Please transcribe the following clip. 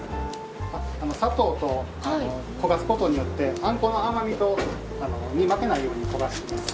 砂糖と焦がすことによってあんこの甘みに負けないように焦がしています。